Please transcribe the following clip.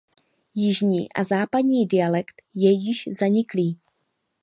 Jižní a západní dialekt je již zaniklý.